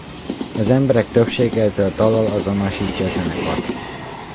Az emberek többsége ezzel a dallal azonosítja a zenekart.